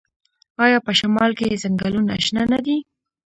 آیا په شمال کې ځنګلونه شنه نه دي؟